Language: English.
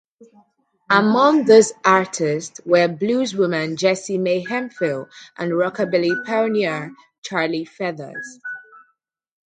Among these artists were blueswoman Jessie Mae Hemphill and rockabilly pioneer Charlie Feathers.